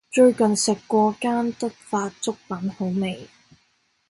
最近食過間德發粥品好味